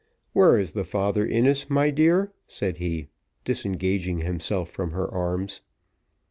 "Where is the Father Innis, my dear?" said he, disengaging himself from her arms.